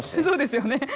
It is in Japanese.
そうですよね。